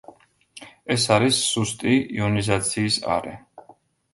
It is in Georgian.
ეს არის სუსტი იონიზაციის არე.